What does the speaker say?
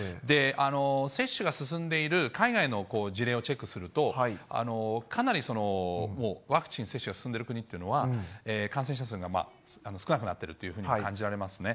接種が進んでいる海外の事例をチェックすると、かなりワクチン接種が進んでいる国っていうのは、感染者数が少なくなっているというふうに感じられますね。